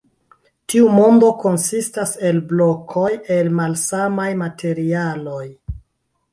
Tiu mondo konsistas el blokoj el malsamaj materialoj.